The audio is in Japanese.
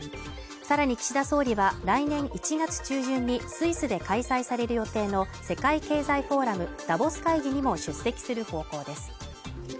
さらに岸田総理は来年１月中旬にスイスで開催される予定の世界経済フォーラムダボス会議にも出席する方向です